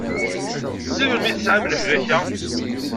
Seg melmi i tesɛam lehlak-a?